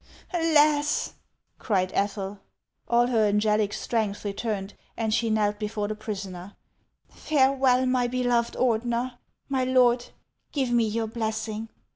" Alas !" cried Ethel. All her angelic strength returned, and she knelt before the prisoner :" Farewell, my beloved Ordener ! My lord, give me your blessing."